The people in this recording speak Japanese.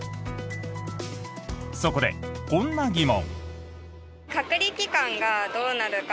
そこで、こんな疑問。